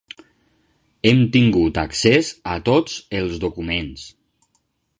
Hem tingut accés a tots els documents.